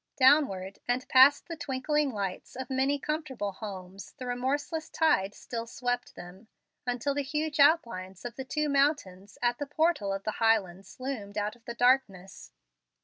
Downward and past the twinkling lights of many comfortable homes the remorseless tide still swept them, until the huge outlines of the two mountains at the portal of the Highlands loomed out of the darkness.